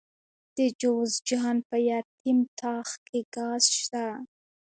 د جوزجان په یتیم تاغ کې ګاز شته.